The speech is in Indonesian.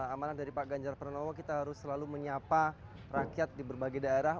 amanat dari pak ganjar pranowo kita harus selalu menyapa rakyat di berbagai daerah